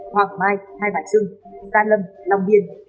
hoàng mai hai bãi trưng tan lâm lòng biên